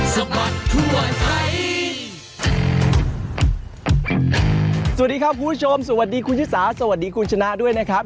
สวัสดีครับคุณผู้ชมสวัสดีคุณชิสาสวัสดีคุณชนะด้วยนะครับ